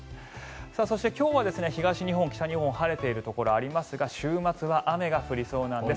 そして、今日は東日本、北日本晴れているところはありますが週末は雨が降りそうなんです。